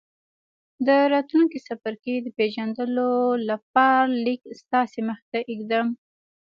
د راتلونکي څپرکي د پېژندلو په پار ليک ستاسې مخې ته ږدم.